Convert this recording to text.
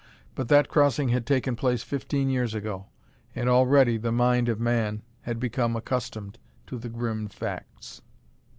But that crossing had taken place fifteen years ago, and already the mind of man had become accustomed to the grim facts.